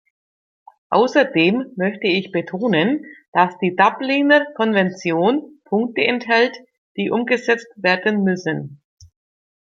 Außerdem möchte ich betonen, dass die Dubliner Konvention Punkte enthält, die umgesetzt werden müssen.